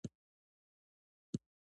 ټولنه د ښځو د حقونو له رعایت څخه ګټه اخلي.